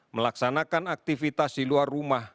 melaksanakan aktivitas di luar rumah